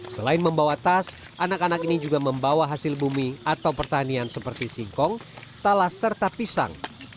selain membawa tas anak anak ini juga membawa hasil bumi atau pertanian seperti singkong talas serta pisang